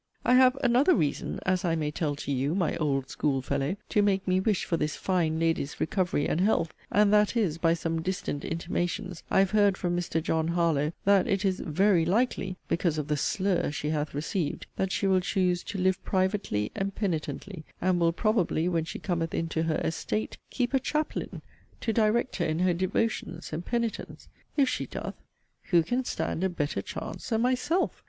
I have 'another reason' (as I may tell to you, my 'old school fellow') to make me wish for this 'fine lady's recovery' and 'health'; and that is, (by some distant intimations,) I have heard from Mr. John Harlowe, that it is 'very likely' (because of the 'slur' she hath received) that she will choose to 'live privately' and 'penitently' and will probably (when she cometh into her 'estate') keep a 'chaplain' to direct her in her 'devotions' and 'penitence' If she doth, who can stand a 'better chance' than 'myself'?